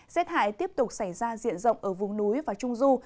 rết hại tiếp tục xảy ra diện rộng ở vùng núi và trung du